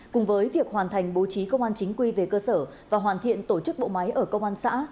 cùng với việc hoàn thành bố trí công an chính quy về cơ sở và hoàn thiện tổ chức bộ máy ở công an xã